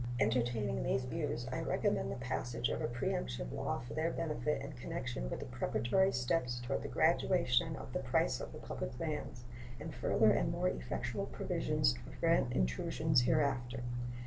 Entertaining these views, I recommend the passage of a preemption law for their benefit in connection with the preparatory steps toward the graduation of the price of the public lands, and further and more effectual provisions to prevent intrusions hereafter.